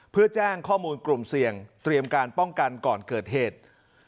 เพื่อแจ้งข้อมูลกลุ่มเสี่ยงเตรียมการป้องกันก่อนเกิดเหตุ